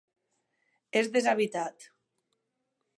És deshabitat.